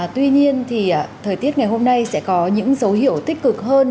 tuy nhiên thì thời tiết ngày hôm nay sẽ có những dấu hiệu tích cực hơn